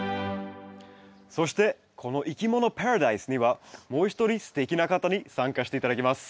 そしてこの「いきものパラダイス」にはもう一人すてきな方に参加して頂きます。